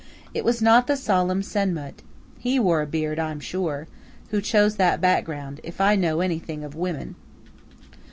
It was not the solemn Senmut (he wore a beard, I'm sure) who chose that background, if I know anything of women.